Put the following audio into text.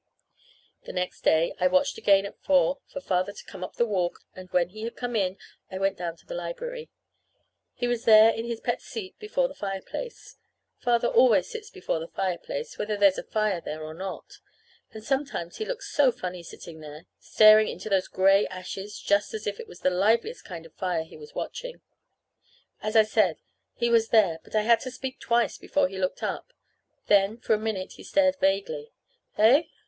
The next day I watched again at four for Father to come up the walk; and when he had come in I went down to the library. He was there in his pet seat before the fireplace. (Father always sits before the fireplace, whether there's a fire there or not. And sometimes he looks so funny sitting there, staring into those gray ashes just as if it was the liveliest kind of a fire he was watching.) As I said, he was there, but I had to speak twice before he looked up. Then, for a minute, he stared vaguely. "Eh?